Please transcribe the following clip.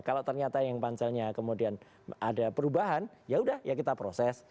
kalau ternyata yang panselnya kemudian ada perubahan ya udah ya kita proses